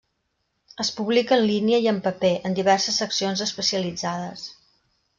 Es publica en línia i en paper, en diverses seccions especialitzades.